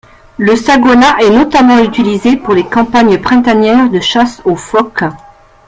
Le Sagona est notamment utilisé pour les campagnes printanières de chasse au phoque.